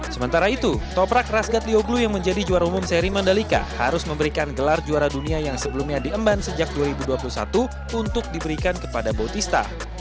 sementara itu toprak rasgat lioglu yang menjadi juara umum seri mandalika harus memberikan gelar juara dunia yang sebelumnya diemban sejak dua ribu dua puluh satu untuk diberikan kepada bautista